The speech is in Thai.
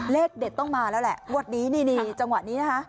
เลขเด็ดต้องมาแล้วแหละงวดนี้นี่จังหวะนี้นะคะ